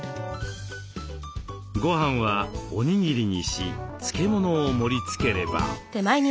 ごはんはおにぎりにし漬物を盛りつければ。